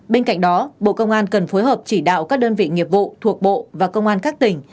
bên cạnh đó bộ công an cần phối hợp chỉ đạo các đơn vị nghiệp vụ thuộc bộ và công an các tỉnh